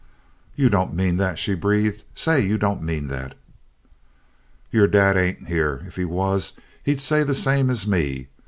"You don't mean that!" she breathed. "Say you don't mean that!" "Your Dad ain't here. If he was, he'd say the same as me.